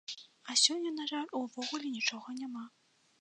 А сёння на жаль увогуле нічога няма.